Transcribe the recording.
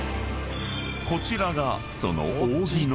［こちらがその］